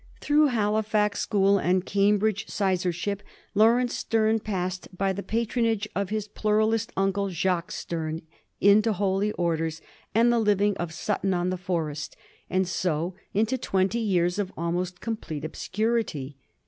'* Through Halifax School and Cambridge sizarship Lau rence Sterne passed, by the patronage of his pluralist un cle, Jacques Sterne, into holy orders and the living of Sut ton on • the Forest, and so into twenty years of almost complete obscurity.